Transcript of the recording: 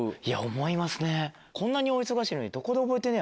思いますね。